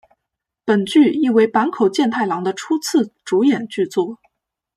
本剧亦为坂口健太郎的初次主演剧作。